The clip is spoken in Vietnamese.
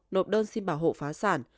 nộp đơn xin bảo hộ phá sản